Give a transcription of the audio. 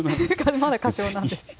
まだ仮称なんです。